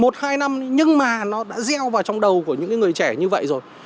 dài năm nhưng mà nó đã reo vào trong đầu của những người trẻ như vậy rồi